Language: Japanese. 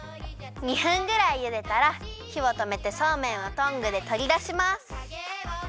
２分ぐらいゆでたらひをとめてそうめんをトングでとりだします。